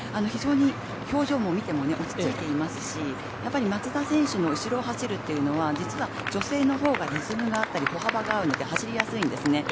非常に表情も見ても落ち着いていますしやっぱり松田選手の後ろを走るというのは実は女性のほうがリズムが合ったり歩幅が合うので走りやすいんですね。